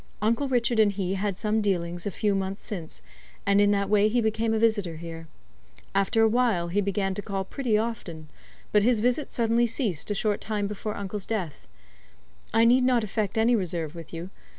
Uncle Richard and he had some dealings a few months since, and in that way he became a visitor here. After a while he began to call pretty often, but his visits suddenly ceased a short time before uncle's death. I need not affect any reserve with you.